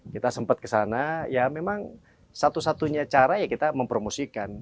kita sempat kesana ya memang satu satunya cara ya kita mempromosikan